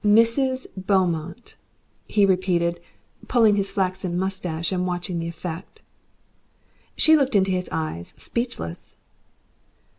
"MRS. Beaumont," he repeated, pulling his flaxen moustache and watching the effect. She looked into his eyes speechless.